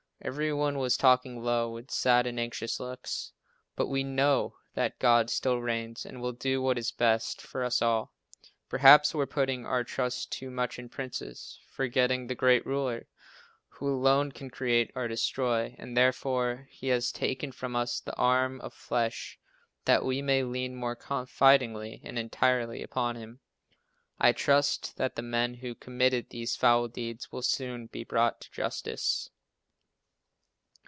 Every one was talking low, with sad and anxious looks. But we know that God still reigns and will do what is best for us all. Perhaps we're "putting our trust too much in princes," forgetting the Great Ruler, who alone can create or destroy, and therefore He has taken from us the arm of flesh that we may lean more confidingly and entirely upon Him. I trust that the men who committed these foul deeds will soon be brought to justice.